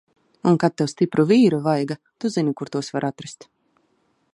Un kad tev stipru vīru vajaga, tu zini, kur tos var atrast!